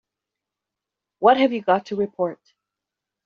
What have you got to report?